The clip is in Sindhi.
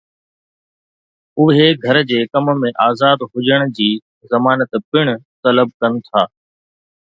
اهي گهر جي ڪم ۾ آزاد هجڻ جي ضمانت پڻ طلب ڪن ٿا